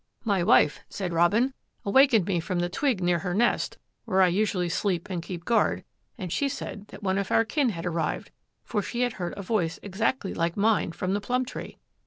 "My wife," said Robin, "awakened me from the twig near her nest, where I usually sleep and keep guard, and she said that one of our kin had arrived for she had heard a voice exactly like mine from the plum tree.